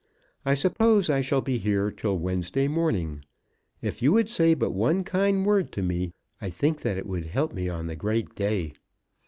I suppose I shall be here till Wednesday morning. If you would say but one kind word to me, I think that it would help me on the great day.